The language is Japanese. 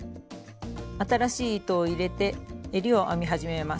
新しい糸を入れてえりを編み始めます。